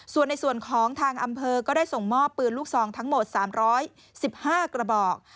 ส่วนในส่วนของทางอำเภอก็ได้ส่งมอบปืนลูกซองทั้งหมด๓๑๕กระบอก